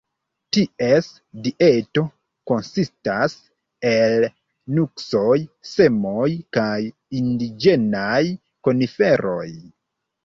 Ties dieto konsistas el nuksoj, semoj kaj indiĝenaj koniferoj.